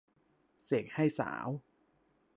เสกให้สาว